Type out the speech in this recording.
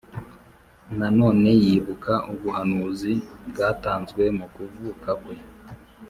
Na none yibuka ubuhanuzi bwatanzwe mu kuvuka kwe.